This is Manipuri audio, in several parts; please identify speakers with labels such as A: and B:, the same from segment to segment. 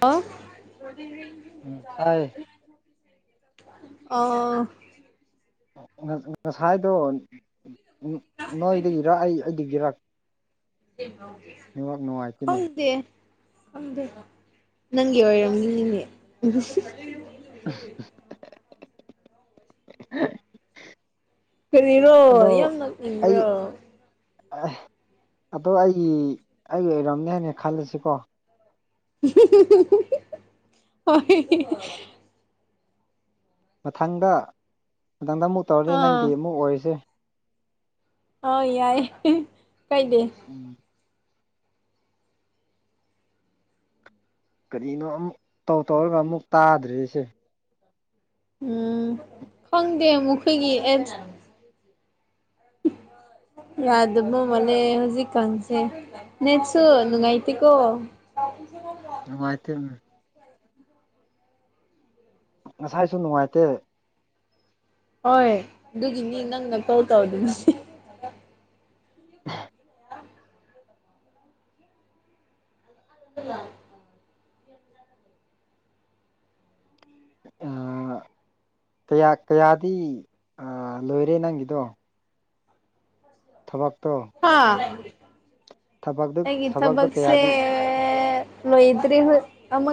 A: ꯑ
B: ꯎꯝ ꯇꯥꯏ
A: ꯑ
B: ꯉꯁꯥꯏꯗꯣ ꯅꯣꯏꯗꯒꯤꯔꯛ ꯑꯩ ꯑꯩꯗꯒꯤꯔ ꯅꯦꯠꯋꯥꯛ ꯅꯨꯡꯉꯥꯏꯇꯦꯅꯦ
A: ꯈꯪꯗꯦ ꯅꯪꯒꯤ ꯑꯣꯏꯔꯝꯒꯤꯅꯤꯅꯦ
B: [unintelligible]
A: ꯀꯔꯤꯔꯣ
B: ꯑꯗꯣ
A: ꯌꯥꯝ ꯅꯣꯛꯅꯤꯟꯏꯕ꯭ꯔꯣ
B: ꯑꯦ ꯑꯗꯣ ꯑꯩꯒꯤ ꯑꯩꯒꯤ ꯑꯣꯏꯔꯝꯅꯦ ꯍꯥꯏꯅ ꯈꯜꯂꯁꯤꯀꯣ
A: [unintelligible]
B: ꯃꯊꯪꯗ ꯃꯊꯪꯗ ꯑꯃꯨꯛ ꯇꯧꯔꯁꯤ
A: ꯑꯥ
B: ꯅꯪꯒꯤ ꯑꯃꯨꯛ ꯑꯣꯏꯔꯤꯁꯦ
A: ꯑ ꯌꯥꯏ ꯀꯩꯗ
B: ꯎꯝ ꯀꯔꯤꯅꯣ ꯑꯃꯨꯛ ꯇꯧ ꯇꯧꯔꯒ ꯑꯃꯨꯛ ꯇꯥꯗ꯭ꯔꯤꯁꯦ
A: ꯎꯝ ꯈꯪꯗꯦ ꯑꯃꯨꯣꯏꯒꯤ ꯑꯦ [unintelligible] ꯌꯥꯗꯕꯨꯣ ꯃꯅꯦ ꯍꯧꯖꯤꯛ ꯈꯪꯁꯤꯦ ꯅꯦꯠꯆꯁꯨ ꯂꯨꯉꯥꯏꯇꯦꯀꯣ [unintelligible]
B: ꯅꯨꯡꯉꯥꯏꯇ ꯉꯁꯥꯏꯁꯨ ꯅꯨꯡꯉꯥꯏꯇꯦ
A: ꯍꯣꯏ ꯑꯗꯨꯒꯤꯅꯤ ꯅꯪꯅ ꯀꯣꯜ ꯇꯧꯗꯁꯦ [unintelligible]
B: ꯀꯌꯥ ꯀꯌꯥꯗꯤ ꯂꯣꯏꯔꯦ ꯅꯪꯒꯤꯗꯣ ꯊꯕꯥꯛꯇꯣ
A: ꯍꯥ ꯑꯩꯒꯤ
B: ꯊꯕꯛꯇꯣ
A: ꯊꯕꯛꯁꯦ ꯁꯦ
B: ꯀꯌꯥꯗꯤ
A: ꯂꯣꯏꯗ꯭ꯦ ꯍꯣꯏ ꯑꯃ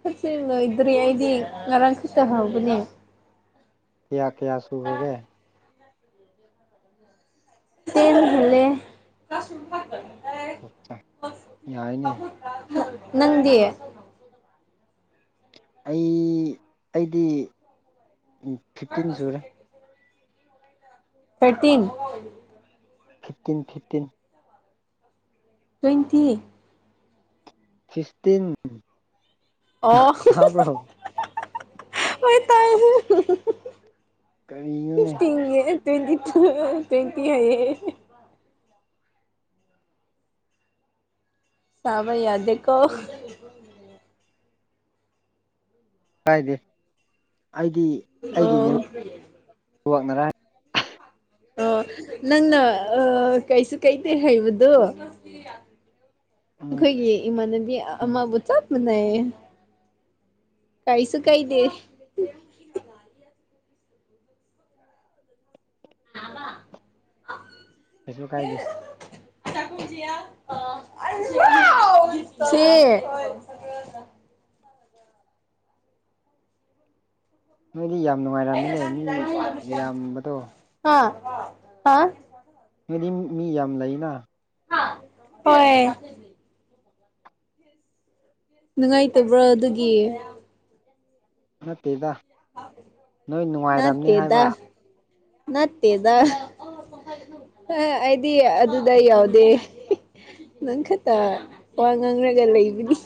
A: ꯈꯔꯁ ꯂꯣꯏꯗ꯭ꯔꯤ ꯑꯩꯗꯤ ꯉꯔꯥꯡ ꯈꯇ ꯍꯥꯎꯧꯕꯅꯦ
B: ꯀꯌꯥ ꯀꯌꯥ ꯁꯨꯈꯔꯒꯦ
A: ꯇ‌ꯦꯜ ꯍ‌ꯦꯜꯂ‌ꯦ
B: ꯌꯥꯏꯅꯦ
A: ꯅꯪꯗꯤ
B: ꯑꯩ ꯑꯩꯗꯤ ꯐꯤꯞꯇꯤꯟ ꯁꯨꯔꯦ
A: thirteen
B: fifteen fifteen
A: twenty
B: fifteen
A: ꯑꯣ
B: ꯇꯥꯕ꯭ꯔꯣ
A: ꯍꯣꯏ ꯇꯥꯏ
B: ꯀꯔꯤꯅꯣꯅꯦ
A: ꯐꯤꯐꯇ ꯇ꯭ꯋꯦꯟꯇꯤ ꯇꯨ ꯇ꯭ꯋꯦꯟꯇꯤ ꯍꯥꯏ ꯆꯥꯕꯩꯌꯥꯗ‌ꯦꯀꯣ
B: ꯀꯥꯏꯗꯦ ꯑꯩꯗꯤ
A: ꯑꫭ
B: ꯋꯛꯅꯔꯦ
A: ꯑꯣ ꯅꯪꯅ ꯀꯩꯁꯨ ꯀꯩꯗꯦ ꯍꯩꯕꯗꯣ
B: ꯎꯝ
A: ꯑꯩꯈꯣꯏꯒꯤ ꯏꯃꯥꯟꯅꯕꯤ
B: ꯎꯝ
A: ꯑꯃꯕꯨ ꯆꯠ ꯃꯅꯩ ꯀꯥꯏꯁꯨ ꯀꯥꯏꯗ‌ꯦ ꯑꯃ
B: ꯀꯩꯁꯨ ꯀꯥꯏꯗꯦ
A: ꯁꯤ
B: ꯅꯣꯏꯗꯤ ꯌꯥꯝ ꯅꯨꯡꯉꯥꯏꯔꯝꯃꯤꯅꯦ ꯃꯤ ꯌꯥꯝꯕꯗꯣ
A: ꯍꯥꯥ ꯍꯥ
B: ꯅꫭꯏꯗꯤ ꯃꯤ ꯌꯥꯝ ꯂꯩꯅ
A: ꯍꯣꯏ ꯅꯨꯡꯉꯥꯏꯇꯕ꯭ꯔꯥ ꯑꯗꯨꯒꯤ
B: ꯅꯠꯇꯦꯗ ꯅꯣꯏ ꯅꯨꯡꯉꯥꯏꯔꯝꯅꯤ
A: ꯅꯥꯠꯇꯦꯗ
B: ꯍꯥꯏꯕ
A: ꯅꯠꯇꯦꯗ ꯑꯩꯗꯤ ꯑꯗꯨꯗ ꯌꯥꯎꯗꯦ ꯅꯪ ꯈꯛꯇ ꯋꯥ ꯉꯥꯡꯔꯒ ꯂꯩꯕꯅꯤ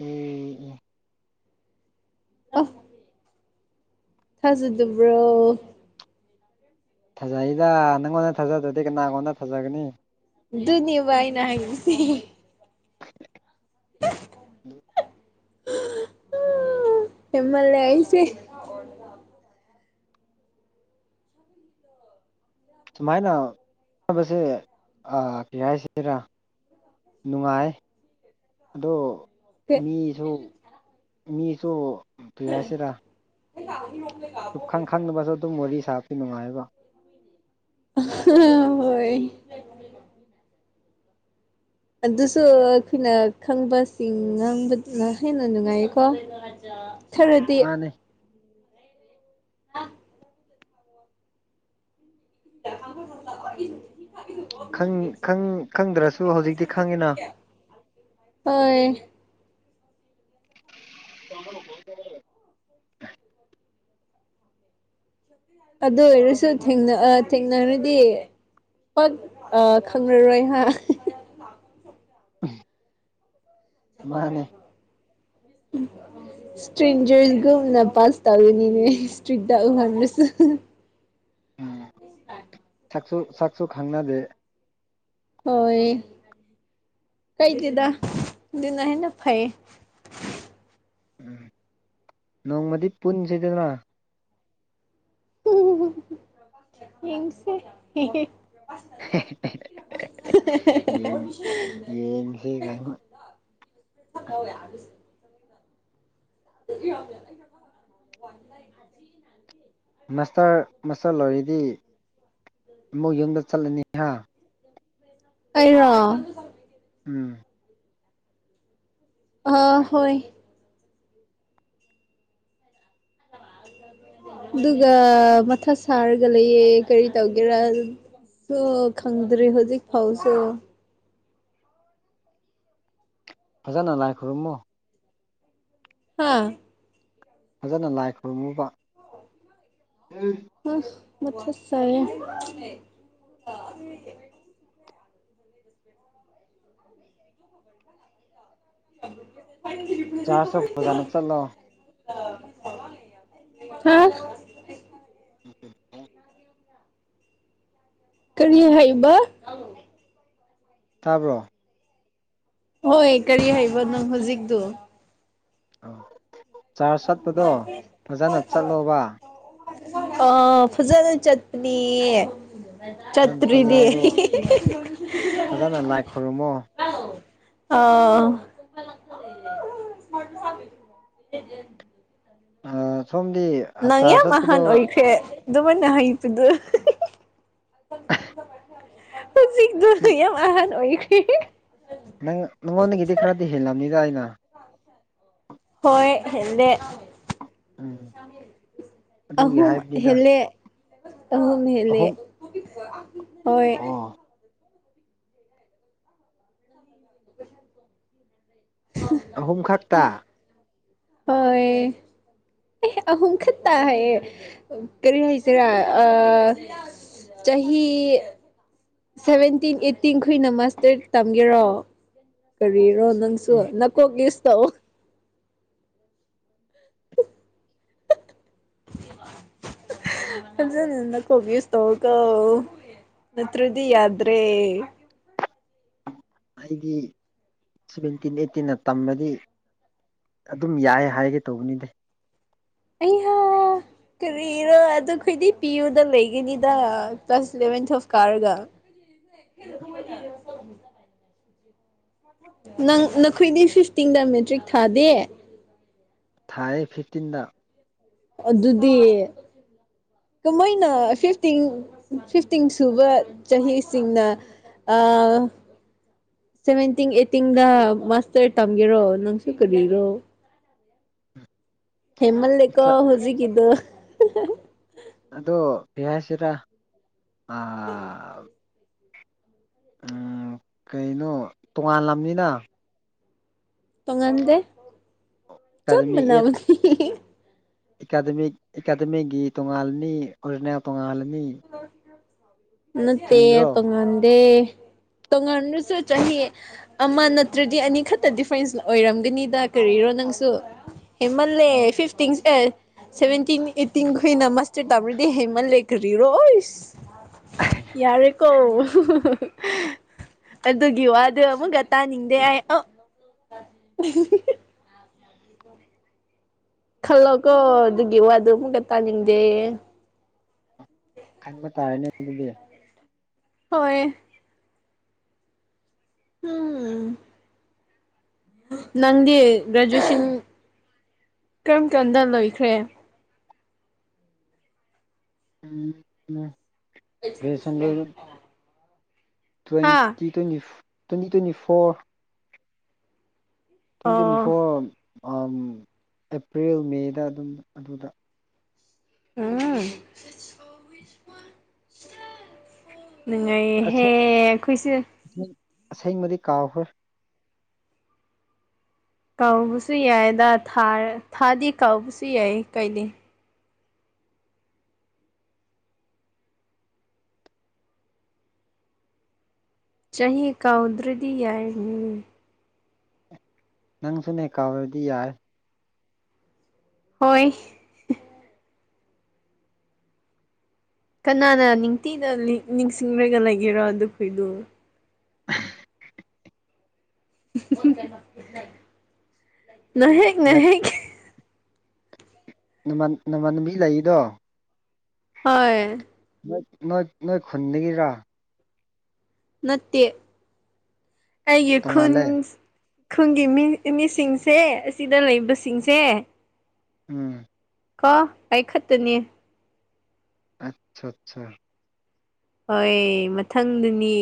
B: ꯎꯝ
A: ꯑ ꯊꯥꯖꯗꯕ꯭ꯔꯣ
B: ꯐꯖꯩꯗ ꯅꯪꯉꯣꯟꯗ ꯊꯥꯖꯗ꯭ꯔꯗꯤ ꯀꯅꯥꯉꯣꯟꯗ ꯐꯖꯒꯅꯤ
A: ꯑꯗꯨꯅꯦꯕ ꯑꯏꯅ ꯍꯥꯏꯪꯁꯤ [inaudible]
B: ꯎ
A: ꯍꯝꯃꯂ‌ꯦ ꯑꯩꯁꯦ ꯑꯣ [unintelligible]
B: ꯁꯨꯃꯥꯏꯅꯅꯕꯁꯦ ꯀꯩ ꯍꯥꯏꯁꯤꯔ ꯅꯨꯡꯉꯥꯏ ꯑꯗꯣ ꯃꯤꯁꯨ ꯃꯤꯁꯨ ꯀꯔꯤꯍꯥꯏꯁꯤꯔꯥ
A: ꯂꯥꯎꯅꯤ ꯅꯦ [unintelligible]
B: ꯁꯨꯞꯈꯪ ꯈꯪꯗꯅꯕꯁꯨ ꯑꯗꯨꯝ ꯋꯥꯔꯤ ꯁꯥꯄꯤ ꯅꯨꯡꯉꯥꯏꯕ
A: ꯑ ꯍꯣꯏ ꯑꯗꯨꯁꯨ ꯑꯩꯈꯣꯏꯅ ꯈꯪꯕꯁꯤꯡ ꯉꯥꯡꯕꯗꯨꯅ ꯍꯦꯟꯅ ꯅꯨꯡꯉꯥꯏꯌꯦꯀꯣ ꯈꯔꯗꯤ
B: ꯃꯥꯅꯦ
A: ꯑ ꯊ ꯊ [unintelligible]
B: ꯈꯪ ꯈꯪ ꯈꯪꯗ꯭ꯔꯁꯨ ꯍꯧꯖꯤꯛꯇꯤ ꯈꯪꯉꯤꯅ
A: ꯍꯣꯏ
B: ꯆꯪꯣ [unintelligible]
A: ꯑꯗꯨ ꯑꯣꯏꯔꯁꯨ ꯊꯦꯡꯅ ꯑ ꯊꯦꯡꯅꯔꯗꯤ ꯄꯛ ꯑ ꯈꯪꯅꯔꯣꯏꯍꯥ
B: ꯃꯥꯅꯦ
A: ꯎꯝ ꯏꯁꯇ꯭ꯔꯦꯟꯖꯔꯒꯨꯝꯅ ꯄꯥꯁ ꯇꯧꯔꯤꯅꯤꯅꯦ ꯏꯁꯇ꯭ꯔꯤꯠ ꯇ ꯎꯍꯜꯂꯁꯨ
B: ꯎꯝ
A: ꯑ
B: ꯁꯛꯁꯨ ꯁꯛꯁꯨ ꯈꯪꯅꯗꯦ
A: ꯍꯣꯏ ꯀꯩꯗꯦꯗ ꯑꯗꯨꯅ ꯍꯦꯟꯅ ꯐꯩ
B: ꯎꯝ ꯅꯣꯡꯃꯗꯤ ꯄꯨꯟꯖꯤꯗꯅ
A: ꯌꯦꯡꯁꯦ ꯍꯦꯍꯦ ꯍ ꯌꯥ
B: ꯌꯦꯡ ꯌꯦꯡꯁꯤ ꯀꯥꯏꯅ
A: [unintelligible] [inaudible]
B: ꯃꯥꯁꯇꯔ ꯃꯥꯁꯇꯔ ꯂꯣꯏꯔꯗꯤ ꯑꯃꯨꯛ ꯌꯨꯝꯗ ꯆꯠꯂꯅꯤꯍ
A: ꯑꯩꯔꯣ
B: ꯎꯝ
A: ꯑꯥ ꯍꯣꯏ ꯗꯨꯒ ꯃꯊꯥ ꯁꯥꯔꯒ ꯂꯩꯌꯦ ꯀꯔꯤ ꯇꯧꯒꯦꯔꯥ ꯍꯣ ꯈꯪꯗ꯭ꯔꯤ ꯍꯧꯖꯤꯛ ꯐꯥꯎꯁꯨ
B: ꯐꯖꯅ ꯂꯥꯏ ꯈꯨꯔꯨꯝꯃꯣ
A: ꯍꯥꯥ
B: ꯐꯖꯅ ꯂꯥꯏ ꯈꯨꯔꯨꯝꯃꯨꯀꯣ ꯍꯦ
A: ꯑꯁ ꯃꯊꯥ ꯁꯥꯏꯌꯦ [unintelligible]
B: ꯆꯥꯔꯇꯣ ꯐꯖꯥꯅ ꯆꯠꯂꯣ
A: ꯍꯥ
B: ꯎꯝ [unintelligible]
A: ꯀꯔꯤ ꯍꯥꯏꯕ
B: ꯇꯥꯕ꯭ꯔꯣ
A: ꯍꯣꯏ ꯀꯔꯤ ꯍꯥꯏꯕꯅꯣ ꯍꯧꯖꯤꯛꯇꯨ
B: ꯑ ꯆꯥꯔꯖ ꯆꯠꯄꯗꯣ ꯐꯖꯅ ꯆꯠꯂꯣꯕ
A: ꯑ ꯐꯖꯅ ꯆꯠꯄꯅꯤ...
B: ꯐꯖꯅ ꯆꯠꯂꯣ
A: ꯆꯠꯇꯔꯗꯤ
B: ꯑꯗꯣ ꯐꯖꯅ ꯂꯥꯏ ꯈꯨꯔꯨꯝꯃꯣ
A: ꯑꯥ
B: ꯑ ꯁꯣꯝꯗꯤ
A: ꯅꯪ
B: ꯆꯥꯔꯖ
A: ꯌꯥꯝ
B: ꯆꯠꯄꯗꯣ
A: ꯑꯍꯟ ꯑꯣꯏꯈ꯭ꯔꯦ ꯑꯗꯨꯃꯥꯏꯅ ꯍꯩꯇꯗꯣ [unintelligible] ꯍꯧꯖꯤꯛꯗꯣ ꯌꯥꯝ ꯑꯍꯟ ꯑꯣꯏꯈꯔ‌ꯦ
B: ꯅꯪ ꯅꯪꯉꯣꯟꯗꯒꯤꯗꯤ ꯈꯔꯗꯤ ꯍꯦꯜꯂꯝꯅꯤꯗ ꯑꯩꯅ
A: ꯍꯣꯏ ꯍꯦꯟꯂꯦ
B: ꯎꯝ ꯑꯗꯨꯒꯤ
A: ꯑꯍꯨꯝ
B: ꯍꯥꯏꯕꯅꯤꯗ
A: ꯍꯦꯜꯂꯦ ꯑꯍꯨꯝ ꯍꯦꯜꯂꯦ
B: ꯑꯍꯨꯝ
A: ꯍꯣꯏ
B: ꯑꯣ ꯑꯍꯨꯝ ꯈꯛꯇ
A: ꯍꯣꯏ ꯑ‌ꯦ ꯑꯍꯨꯝ ꯈꯛꯇ ꯍꯥꯏꯌꯦ ꯀꯔꯤ ꯍꯥꯏꯁꯤꯔꯥ ꯑ ꯆꯍꯤ ꯁꯚꯦꯟꯇꯤꯟ ꯑꯩꯠꯇꯤꯟ ꯈꯣꯏꯅ ꯃꯥꯁꯇꯔ ꯇꯝꯒꯦꯔꯣ ꯀꯔꯤꯔꯣ ꯅꯪꯁꯨ
B: ꯎꯝ
A: ꯅꯛ ꯀꯣ ꯌꯨꯁ ꯇꯧ ꯐꯖꯅ ꯅꯀꯣꯛ ꯌꯨꯁ ꯇꯧꯀꫭ ꯅꯠꯇ꯭ꯔꯗꯤ ꯌꯥꯗ꯭ꯔꯦ
B: ꯑꯩꯗꯤ ꯁꯚꯦꯟꯇꯤꯟ ꯑꯩꯠꯇꯤꯟꯅ ꯇꯝꯕꯗꯤ ꯑꯗꯨꯝ ꯌꯥꯏ ꯍꯥꯏꯒꯦ ꯇꯧꯕꯅꯤꯗ
A: ꯑꯩꯍ ꯀꯔꯤꯔꯥ ꯑꯗꯨꯈꯣꯏꯗꯤ ꯄꯤ ꯌꯨꯗ ꯂꯩꯒꯅꯤꯗ ꯀ꯭ꯂꯥꯁ ꯏꯂꯚꯦꯟ ꯇꯨꯋꯐ ꯀꯥꯔꯒ [unintelligible] ꯅꯪ ꯅꯈꯣꯏꯗꯤ ꯐꯤꯐꯇꯤꯟꯗ ꯃꯦꯇ꯭ꯔꯤꯛ ꯊꯥꯗꯦ
B: ꯊꯥꯏꯌꯦ ꯐꯤꯞꯇꯤꯟꯗ
A: ꯑꯗꯨꯗꯤ ꯀꯃꯥꯏꯅ ꯐꯤꯐꯇꯤꯟ ꯐꯤꯐꯇꯤꯟ ꯁꯨꯕ ꯆꯍꯤꯁꯤꯡꯅ ꯑꯥ ꯁꯚꯦꯟꯇꯤꯡ ꯑꯩꯠꯇꯤꯡꯗ ꯃꯥꯁꯇꯔ ꯇꯝꯒꯦꯔꯣ ꯅꯪꯁꯨ ꯀꯔꯤꯔꯣ ꯍꯦꯃꯜꯂꯦꯀꯣ ꯍꯨꯖꯤꯛꯀꯤꯗꫭ
B: ꯑꯗꯣ ꯀꯔꯤ ꯍꯥꯏꯁꯤꯔ ꯑꯥ ꯎꯝ ꯀꯩꯅꯣ ꯇꯣꯉꯥꯟꯂꯝꯅꯤꯅ
A: ꯇꫭꯡꯉꯟꯗꯦ
B: ꯑꯦꯀꯥꯗꯃꯤ ꯑꯦꯠ ꯑꯦꯀꯥꯗꯃꯤꯛ ꯑꯦꯀꯥꯗꯃꯤꯛꯒꯤ ꯇꯣꯉꯥꯜꯂꯅꯤ ꯑꯣꯔꯤꯖꯅꯦꯜ ꯇꯣꯡꯉꯥꯜꯂꯅꯤ
A: ꯅꯠꯇ‌ꯦ ꯇꫭꯉꯥꯟꯗ‌ꯦ ꯇꫭꯡꯉꯥꯟꯔꯁꯨ ꯆꯥꯍꯤ ꯑꯃ ꯅꯠꯇ꯭ꯔꯗꯤ ꯑꯅꯤꯈꯛꯇ ꯗꯤꯐ꯭ꯔꯦꯟꯁ ꯑꯣꯏꯔꯝꯒꯅꯤꯗ ꯀꯔꯤꯔꯣ ꯅꯪꯁꯨ ꯍꯦꯃꯜꯂꯦ
B: ꯑ
A: ꯐꯤꯐꯇꯤꯟ ꯑ‌ꯦ ꯁꯚꯦꯟꯇꯤꯟ ꯑꯩꯠꯇꯤꯟ ꯈꫭꯏꯅ ꯃꯥꯁꯇꯔ ꯇꯩꯔꯗꯤ ꯍꯦꯃꯜꯂꯦ ꯀꯔꯤ ꯔꯣꯏꯁ ꯌꯥꯔꯦꯀꯣ ꯑꯗꯨꯒꯤ ꯋꯥꯗꯨ ꯑꯃꯨꯛꯀ ꯇꯥꯅꯤꯡꯗꯦ ꯑꯩ ꯑ ꯑ [unintelligible] ꯈꯜꯂꯣꯀꯣ ꯑꯗꯨꯒꯤ ꯋꯥꯗꯨ ꯑꯃꯨꯛꯀ ꯇꯥꯅꯤꯡꯗꯦ
B: ꯈꯟꯕ ꯇꯥꯔꯦꯅꯦ ꯑꯗꯨꯗꯤ
A: ꯍꯣꯏ ꯎꯝ ꯅꯪꯗꯤ ꯒ꯭ꯔꯦꯖꯨꯑꯦꯁꯟ ꯀꯔꯝ ꯀꯥꯟꯗ ꯂꯣꯏꯈ꯭ꯔꯦ
B: ꯎꯝ ꯎꯝ
A: ꯑꯩꯗꯤ [unintelligible]
B: twenty ꯇ꯭ꯋꯦꯟ twenty twenty four twenty
A: ꯑꯣ
B: ꯐꯣꯔ ꯑꯦꯄ꯭ꯔꯤꯜ ꯃꯦꯗ ꯑꯗꯨꯝ ꯑꯗꯨꯗ
A: ꯑꯥ ꯅꯨꯉꯥꯢꯌꯦꯍꯦ
B: ꯑꯁꯦꯡ
A: ꯑꯈꯣꯏꯁꯨ
B: ꯑꯁꯦꯡꯕꯗꯤ ꯀꯥꯎꯈ꯭ꯔꯦ
A: ꯀꯥꯎꯕꯁꯨ ꯌꯥꯏꯗꯥ ꯊꯥꯗꯤ ꯀꯥꯎꯁꯨ ꯌꯥꯏ ꯀꯥꯢꯗꯦ ꯆꯍꯤ ꯀꯥꯎꯗ꯭ꯔꯗꯤ ꯌꯥꯏ
B: ꯅꯪꯁꯨꯅꯦ ꯀꯥꯎꯔꯗꯤ ꯌꯥꯏ
A: ꯍꯣꯏ ꯀꯅꯥꯅ ꯅꯤꯡꯇꯤꯅ ꯅꯤꯡꯁꯤꯡꯂꯒ ꯂꯩꯒꯦꯔꯣ ꯑꯗꯨ ꯈꯣꯏꯗꯨ
B: ꯑ
A: ꯅꯍꯦꯛ ꯅꯍꯦꯛ
B: ꯅꯃ ꯅꯃꯟꯕꯤ ꯂꯩꯔꯤꯗꯣ
A: ꯍꯣꯏ
B: ꯅꯣꯢ ꯅꯣꯏ ꯅꯣꯏ ꯈꯨꯟꯗꯒꯤꯔꯥ
A: ꯅꯠꯇꯦ ꯑꯩꯒꯤ ꯈꯨꯟ
B: ꯇꯣꯡꯉꯥꯜꯂꯦ
A: ꯈꯨꯨꯟꯒꯤ ꯃꯤ ꯃꯤꯁꯤꯡꯁꯦ ꯑꯁꯤꯗ ꯂꯩꯕꯁꯤꯡꯁꯦ
B: ꯎꯝ
A: ꯀꯣ ꯑꯩ ꯈꯛꯇꯅꯤ
B: ꯑꯠꯁꯥ ꯆꯥ
A: ꯍꯣꯏ ꯃꯊꯪꯗꯅꯤ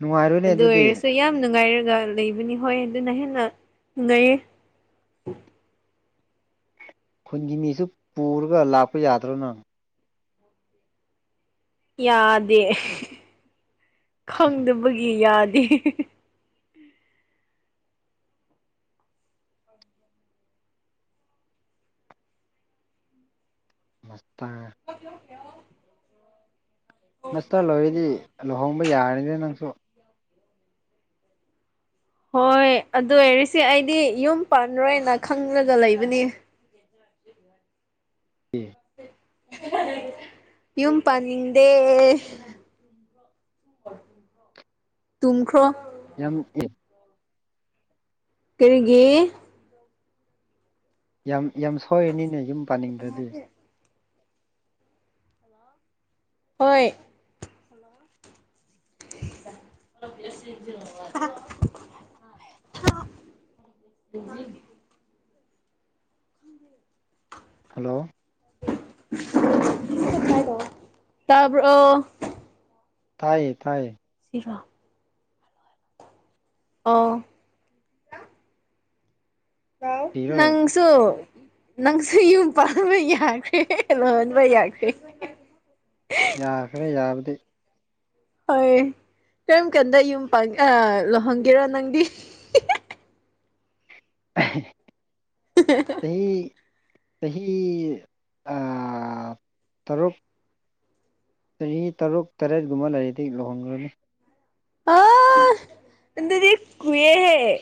B: ꯅꯨꯡꯉꯥꯏꯔꯣꯏꯅꯦ
A: ꯑꯗꯨ
B: ꯑꯗꯨꯗꯤ
A: ꯑꯣꯏꯔꯁꯨ ꯌꯥꯝ ꯅꯨꯡꯉꯥꯏꯔꯒ ꯂꯩꯕꯅꯤ ꯍꯣꯏ ꯑꯗꯨꯅ ꯍꯦꯟꯅ ꯅꯨꯡꯉꯥꯏꯌꯦ
B: ꯈꯨꯟꯒꯤ ꯃꯤꯁꯨ ꯄꯨꯔꯒ ꯂꯥꯛꯄ ꯌꯥꯗ꯭ꯔꯣ ꯅꯪ
A: ꯌꯥꯗꯦ ꯈꯪꯗꯕꯒꯤ ꯌꯥꯗꯦ
B: ꯃꯁꯇ
A: [unintelligible]
B: ꯃꯁꯇꯔ ꯂꯣꯏꯔꯗꯤ ꯂꯨꯍꯣꯡꯕ ꯌꯥꯔꯅꯤꯗ ꯅꯪꯁꯨ
A: ꯍꯣꯏ ꯑꯗꯨꯑꯣꯢꯔꯤꯁꯤ ꯑꯩꯗꯤ ꯌꯨꯝ ꯄꯥꯟꯂꯣꯏꯅ ꯈꯪꯂꯒ ꯂꯩꯕꯅꯤ
B: ꯑꯦ
A: ꯌꯨꯝ ꯄꯥꯅꯤꯡꯗꯦ ꯇꯨꯝꯈ꯭ꯔꯣ
B: ꯌꯥꯝ ꯑꯦ
A: ꯀꯔꯤꯒꯤ
B: ꯌꯥꯝ ꯌꯥꯝ ꯁꯣꯏꯔꯅꯤꯅꯦ ꯌꯨꯝ ꯄꯥꯅꯤꯡꯗ꯭ꯔꯗꯤ
A: ꯍꯣꯏ [unintelligible] [unintelligible]
B: ꯍꯜꯂꯣ
A: [unintelligible] ꯇꯥꯕ꯭ꯔꯣ
B: ꯇꯥꯏꯌꯦ ꯇꯥꯏꯌꯦ
A: ꯏꯋꯥ ꯑꯣ ꯍꯂꯥꯎ
B: ꯊꯤꯔꯣ
A: ꯅꯪ ꯁꯨ ꯅꯪꯁꯨ ꯌꯨꯝ ꯄꯥꯟꯕ ꯌꯥꯈ꯭ꯔꯦ ꯂꯨꯍꯣꯟꯕ ꯌꯥꯈ꯭ꯔꯦ
B: ꯌꯥꯈ꯭ꯔꯦ ꯌꯥꯕꯗꯤ
A: ꯍꯣꯏ ꯀꯔꯝ ꯀꯥꯟꯗ ꯌꯨꯝ ꯄꯥꯟꯈ ꯂꯨꯍꯣꯡꯒꯦꯔꯣ ꯅꯪꯗꯤ
B: [unintelligible]
A: ꯍ [unintelligible]
B: ꯆꯍꯤ ꯆꯍꯤ ꯑ ꯇꯔꯨꯛ ꯆꯍꯤ ꯇꯔꯨꯛ ꯇꯔꯦꯠꯀꯨꯝꯕ ꯂꯩꯥꯏꯔꯤꯗꯤ ꯂꯨꯍꯣꯡꯈ꯭ꯔꯅꯤ
A: ꯑ ꯑꯗꯨꯗꯤ ꯀꯨꯏ ꯔ‌ꯦꯍꯦ